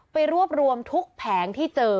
ไปรวบรวมทุกแผงที่เจอ